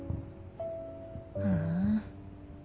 ふん。